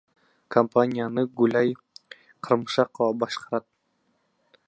Компанияны Гүлай Карымшакова башкарат.